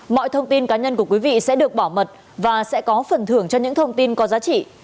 mọi thông tin cá nhân của quý vị sẽ được bảo mật và sẽ có phần thưởng cho những thông tin có giá trị